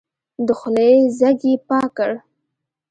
د خولې ځګ يې پاک کړ.